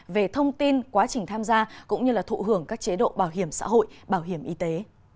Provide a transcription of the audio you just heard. về thông tin quá trình tham gia cũng như thụ hưởng các chế độ bảo hiểm xã hội bảo hiểm y tế